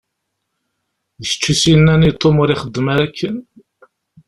D kečč i as-yennan i Tom ur ixeddem ara akken?